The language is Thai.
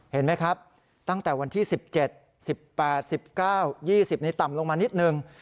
เห็นไหมครับตั้งแต่วันที่๑๗๑๘๑๙๒๐นี้ต่ำลงมานิดนึง